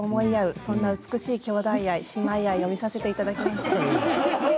そんな美しい姉妹愛を見せていただきました。